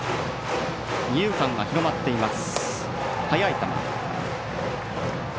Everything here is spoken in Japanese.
二遊間が広まっています。